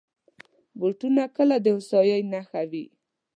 بوټونه کله د هوساینې نښه وي.